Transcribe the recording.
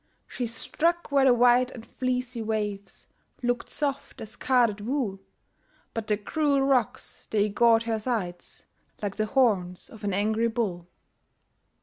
She struck where the white and fleecy waves Look'd soft as carded wool, But the cruel rocks, they gored her sides Like the horns of an angry bull.